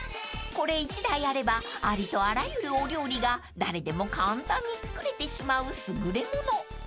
［これ１台あればありとあらゆるお料理が誰でも簡単に作れてしまう優れもの］